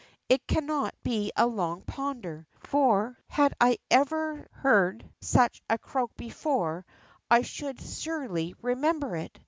It cannot be a Long Ponder, for, had I ever heard such a croak before, I should surely remember it.